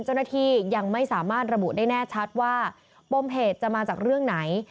เจ้าหน้าที่ยังไม่สามารถระบุได้แน่ชัดว่าปมเหตุจะมาจากเรื่องไหน